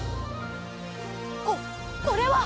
ここれは！